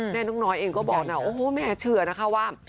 นกน้อยเองก็บอกนะโอ้โหแม่เชื่อนะคะว่า